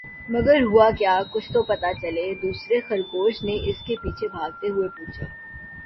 مگر ہوا کیا؟ کچھ تو پتا چلے!“دوسرے خرگوش نے اس کے پیچھے بھاگتے ہوئے پوچھا۔